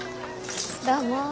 どうも。